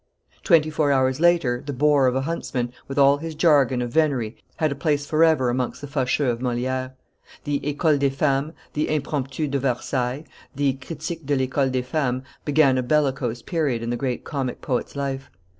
Twenty four hours later, the bore of a huntsman, with all his jargon of venery, had a place forever amongst the Facheux of Moliere. The Ecole des Femmes, the Impromptu de Versailles, the Critique de l'Ecole des Femmes, began the bellicose period in the great comic poet's life.